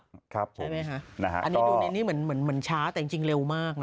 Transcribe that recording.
ใช่ไหมฮะอันนี้เหมือนช้าแต่จริงเร็วมากนะ